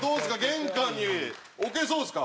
玄関に置けそうですか？